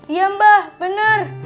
iya mbah bener